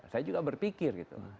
saya juga berpikir gitu